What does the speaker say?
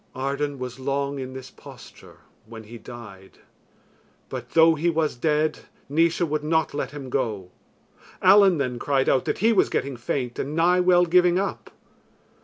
Arden was long in this posture when he died; but though he was dead Naois would not let him go. Allen then cried out that he was getting faint and nigh well giving up.